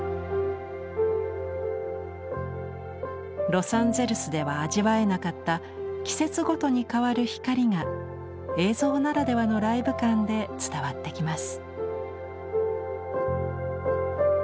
ロサンゼルスでは味わえなかった季節ごとに変わる光が映像ならではのライブ感で伝わってきます。